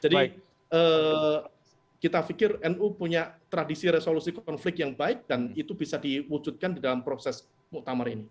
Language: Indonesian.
jadi kita pikir nu punya tradisi resolusi konflik yang baik dan itu bisa diwujudkan di dalam proses mu'tamar ini